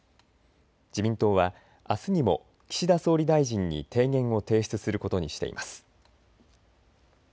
自民党はあすにも岸田総理大臣に提言を提出することにしています。